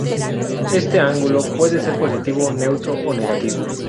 Este ángulo puede ser positivo, neutro o negativo.